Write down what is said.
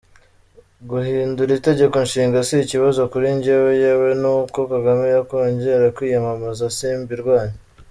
Guhindura itegeko nshinga si ikibazo kuri jyewe, yewe nuko Kagame yakongera kwiyamamaza simbirwanya!